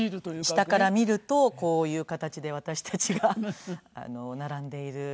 下から見るとこういう形で私たちが並んでいるお写真というか。